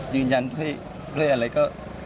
ยืนยันด้วยอะไรก็